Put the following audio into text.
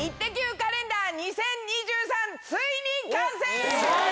カレンダー２０２３、ついに完成！